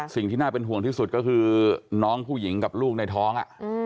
สิ่งที่น่าเป็นห่วงที่สุดก็คือน้องผู้หญิงกับลูกในท้อง